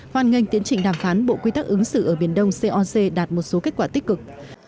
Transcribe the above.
hoan nghênh tiến trình đàm phán bộ quy tắc ứng xử ở biển đông coc đạt một số kết quả tích cực